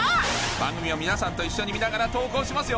番組を皆さんと一緒に見ながら投稿しますよ